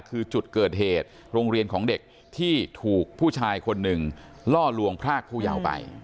คือจุดเกิดเหตุโรงเรียนของเด็กที่ถูกผู้ชายคนหนึ่งล่อลวงพรากผู้เยาว์ไป